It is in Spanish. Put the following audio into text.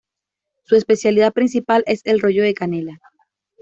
Su especialidad principal es el rollo de canela.